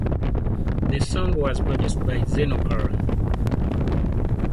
The song was produced by Xeno Carr.